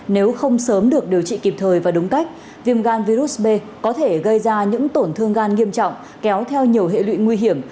nếu không sớm được điều trị kịp thời và đúng cách viêm gan virus b có thể gây ra những tổn thương gan nghiêm trọng kéo theo nhiều hệ lụy nguy hiểm